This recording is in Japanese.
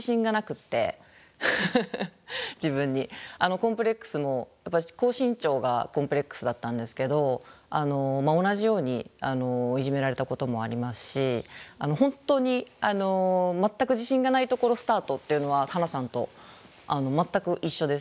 コンプレックスも私高身長がコンプレックスだったんですけど同じようにいじめられたこともありますし本当に全く自信がないところスタートっていうのはハナさんと全く一緒です。